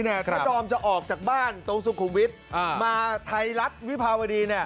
ถ้าดอมจะออกจากบ้านตรงสุขุมวิทมาไทรัศน์วิภาวฤภาวดี